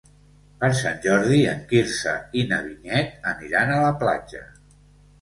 Per Sant Jordi en Quirze i na Vinyet aniran a la platja.